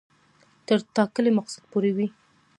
تر ټاکلي مقصده پوري وي.